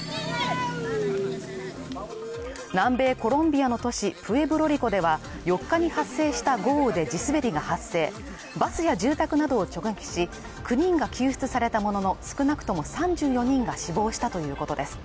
南米コロンビアの都市プエブロリコでは４日に発生した豪雨で地滑りが発生バスや住宅などを直撃し９人が救出されたものの少なくとも３４人が死亡したということです